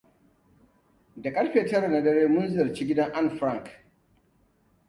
Da karfe tara na dare, mun ziyarci gidan Anne Frank.